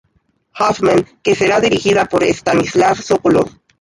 Hoffmann, que será dirigida por Stanislav Sokolov.